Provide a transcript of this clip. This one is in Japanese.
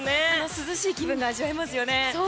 涼しい気分が味わえますよね。